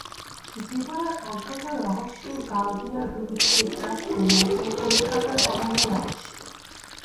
জীবনের অজ্ঞাত রহস্য গাওদিয়ার বিন্দুকে গ্রাস করিয়াছে, কলিকাতার অনামী রহস্য।